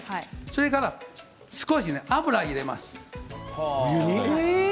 それから少し油を入れます。